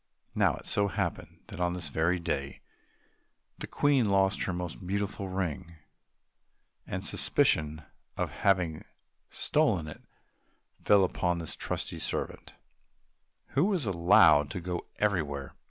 Now it so happened that on this very day the Queen lost her most beautiful ring, and suspicion of having stolen it fell upon this trusty servant, who was allowed to go everywhere.